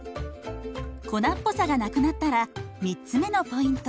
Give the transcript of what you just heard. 粉っぽさがなくなったら３つ目のポイント。